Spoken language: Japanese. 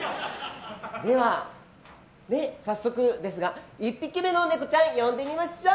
では、早速ですが１匹目のネコちゃんを呼んでみましょう。